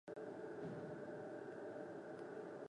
Ақымақты үйрету — өлгенді тірілту.